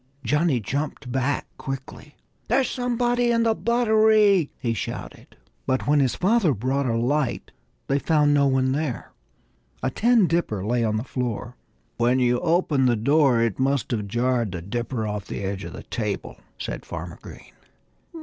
Johnnie jumped back quickly. "There's somebody in the buttery!" he shouted. But when his father brought a light they found no one there. A tin dipper lay on the floor. "When you opened the door it must have jarred the dipper off the edge of the table," said Farmer Green.